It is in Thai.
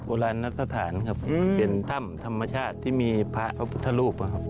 ลานสถานครับเป็นถ้ำธรรมชาติที่มีพระพระพุทธรูปครับ